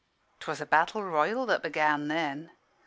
"'Twas a battle royal that began then.